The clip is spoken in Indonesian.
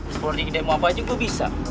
support tinggi demo apa aja gue bisa